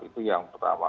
itu yang pertama